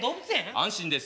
安心です